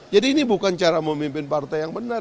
jadi ini bukan cara memimpin partai yang benar